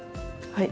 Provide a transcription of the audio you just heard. はい。